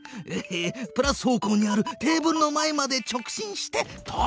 プラス方向にあるテーブルの前まで直進して止まる！